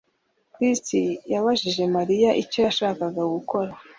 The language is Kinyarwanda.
Chris yabajije Mariya icyo yashakaga gukora